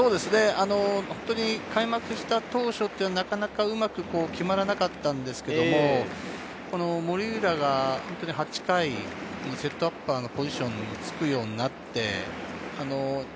開幕した当初はなかなかうまく決まらなかったんですけれど、森浦が８回、セットアッパーのポジションにつくようになって。